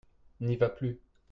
n'y va plus.